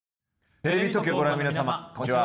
テレビ東京をご覧の皆様こんにちは。